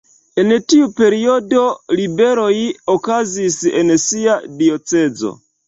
En tiu periodo ribeloj okazis en sia diocezo.